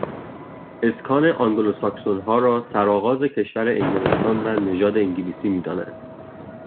اسکان آنگلوساکسونها را سرآغاز کشور انگلستان و نژاد انگلیسی میدانند